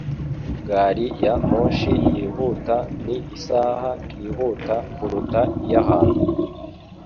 Gari ya moshi yihuta ni isaha yihuta kuruta iy'ahantu.